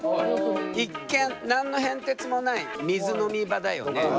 一見何の変哲もない水飲み場だよね。